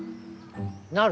なる？